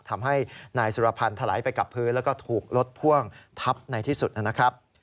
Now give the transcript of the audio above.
ทำให้นายสุรพันธ์ถลายไปกับพื้นแล้วก็ถูกรถพ่วงทับในที่สุดนะครับ